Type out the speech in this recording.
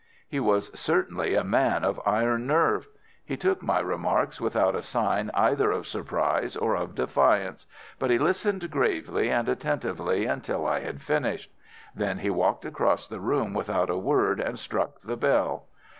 "He was certainly a man of iron nerve. He took my remarks without a sign either of surprise or of defiance, but listened gravely and attentively until I had finished. Then he walked across the room without a word and struck the bell.